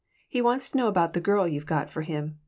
He wants to know about the girl you've got for him.